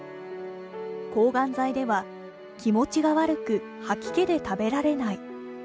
抗がん剤では気持ちが悪く吐き気で食べられない。